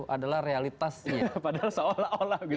adalah realitasnya padahal seolah olah